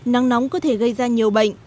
nắng nóng có thể gây ra nhiều bệnh